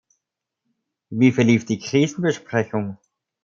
Wie verlief die Krisenbesprechung?